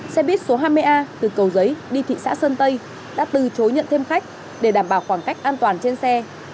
xe buýt số hai mươi a từ cầu giấy đi thị xã sơn tây đã từ chối nhận thêm khách để đảm bảo khoảng cách an toàn trên xe